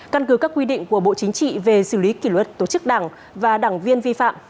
căn cứ các quy định của bộ chính trị về xử lý kỷ luật tổ chức đảng và đảng viên vi phạm